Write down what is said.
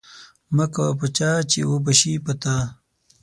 مه کوه په چا چی اوبه شی په تا.